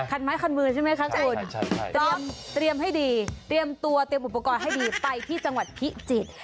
ไม้คันมือใช่ไหมคะคุณเตรียมให้ดีเตรียมตัวเตรียมอุปกรณ์ให้ดีไปที่จังหวัดพิจิตร